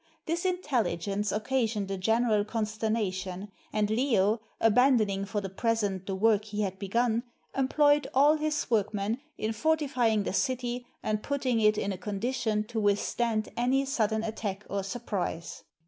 This intelligence occasioned a general consternation; and Leo, abandon ing for the present the work he had begun, employed all his workmen in fortifying the city, and putting it in a condition to withstand any sudden attack or surprise.